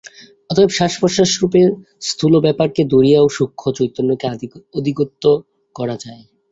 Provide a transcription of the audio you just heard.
অতএব শ্বাস-প্রশ্বাসরূপে স্থূল ব্যাপারকে ধরিয়াও সূক্ষ্ম চৈতন্যকে অধিগত করা যায়।